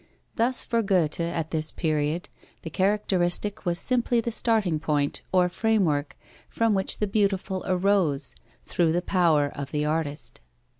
Thus for Goethe at this period, the characteristic was simply the starting point, or framework, from which the beautiful arose, through the power of the artist.